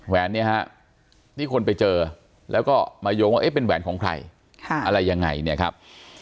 แหนเนี่ยฮะที่คนไปเจอแล้วก็มาโยงว่าเอ๊ะเป็นแหวนของใครอะไรยังไงเนี่ยครับ